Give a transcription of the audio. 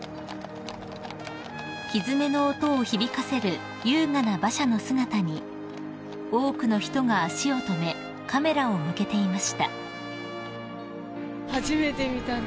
［ひづめの音を響かせる優雅な馬車の姿に多くの人が足を止めカメラを向けていました］